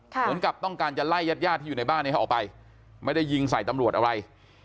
เหมือนกับต้องการจะไล่ญาติญาติที่อยู่ในบ้านนี้ออกไปไม่ได้ยิงใส่ตำรวจอะไร